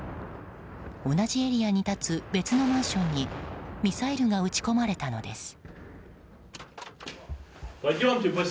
同じエリアに立つ別のマンションにミサイルが撃ち込まれたのです。